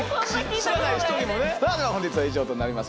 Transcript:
さあでは本日は以上となります